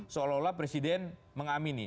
seolah olah presiden mengamini